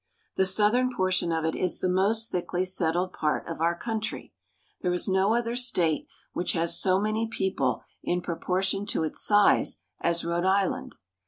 The southern portion of it is the most MANUFACTURES. ^^ thickly settled part of our country. There is no other state which has so many people in proportion to its size as Rhode Island.